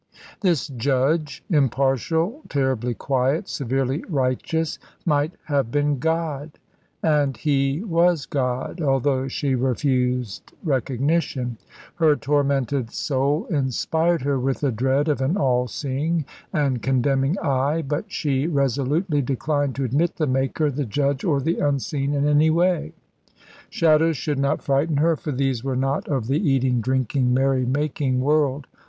This Judge, impartial, terribly quiet, severely righteous, might have been God; and He was God, although she refused recognition. Her tormented soul inspired her with the dread of an all seeing and condemning eye; but she resolutely declined to admit the Maker, the Judge, or the Unseen in any way. Shadows should not frighten her, for these were not of the eating, drinking, merry making world.